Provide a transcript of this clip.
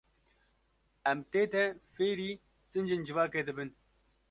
Em tê de, fêrî sincên civakê dibin.